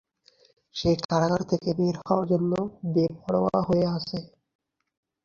সে কারাগার থেকে বের হওয়ার জন্য বেপরোয়া হয়ে আছে।